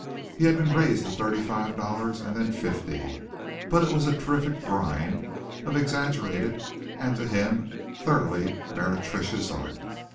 He had been raised to thirty five dollars and then fifty, but it was a terrific grind of exaggerated and to him thoroughly meretricious art.